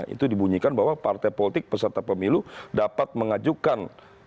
itu dibunyikan bahwa partai politik peserta pemilu dapat mengajukan